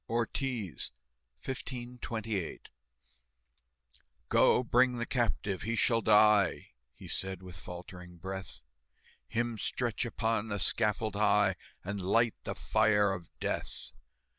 ORTIZ "Go bring the captive, he shall die," He said, with faltering breath; "Him stretch upon a scaffold high, And light the fire of death!"